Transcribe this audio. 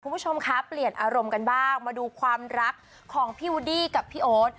คุณผู้ชมคะเปลี่ยนอารมณ์กันบ้างมาดูความรักของพี่วูดดี้กับพี่โอ๊ต